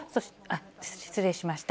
失礼しました。